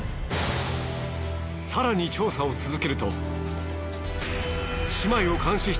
更に調査を続けると。